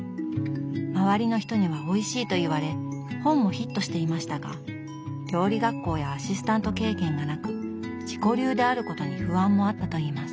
周りの人にはおいしいと言われ本もヒットしていましたが料理学校やアシスタント経験がなく自己流であることに不安もあったといいます。